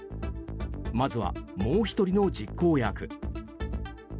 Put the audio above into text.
まずは、もう１人の実行役。